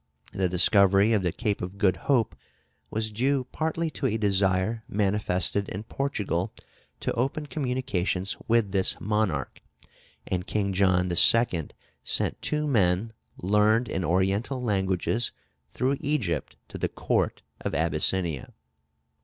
The discovery of the Cape of Good Hope was due partly to a desire manifested in Portugal to open communications with this monarch, and King John II. sent two men learned in Oriental languages through Egypt to the court of Abyssinia.